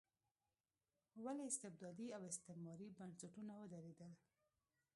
ولې استبدادي او استثماري بنسټونه ودرېدل.